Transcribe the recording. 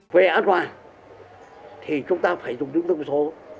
về an toàn thì chúng ta phải dùng những thông tin số